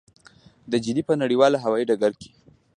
د جدې په نړیوال هوايي ډګر کې.